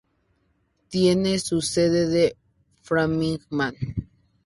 Tiene su sede en Framingham.